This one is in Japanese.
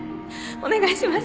お願いします